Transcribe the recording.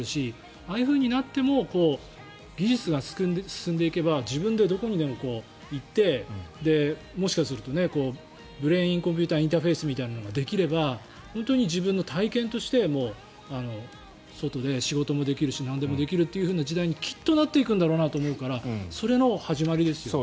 ああいうふうになっても技術が進んでいけば自分でどこにでも行ってもしかするとブレーンコンピューターインターフェースみたいなものができれば本当に自分の体験として外で仕事もできるしなんでもできるという時代にきっとなっていくんだろうなと思うからそれの始まりですよね。